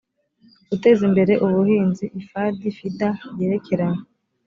guteza imbere ubuhinzi ifad fida yerekeranye